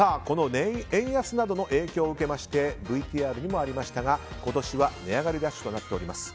円安などの影響を受けてＶＴＲにもありましたが今年は値上がりラッシュとなっております。